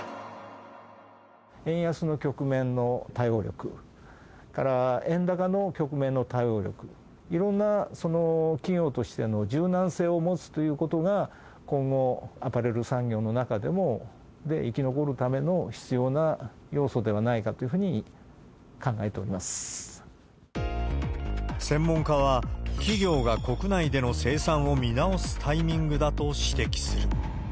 円安の局面の対応力、それから、円高の局面の対応力、いろんな企業としての柔軟性を持つということが、今後、アパレル産業の中での生き残るための必要な要素ではないかという専門家は、企業が国内での生産を見直すタイミングだと指摘している。